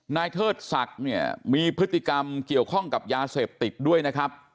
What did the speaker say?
เทิดศักดิ์เนี่ยมีพฤติกรรมเกี่ยวข้องกับยาเสพติดด้วยนะครับ